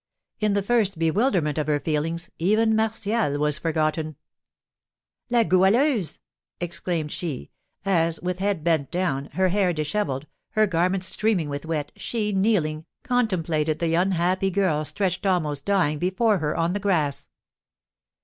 In the first bewilderment of her feelings even Martial was forgotten. "La Goualeuse!" exclaimed she, as, with head bent down, her hair dishevelled, her garments streaming with wet, she, kneeling, contemplated the unhappy girl stretched almost dying before her on the grass.